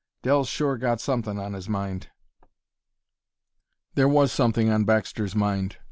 Dell's sure got somethin' on his mind." There was something on Baxter's mind.